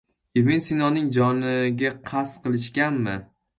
Ibn Sinoning joniga qasd qilishganmi?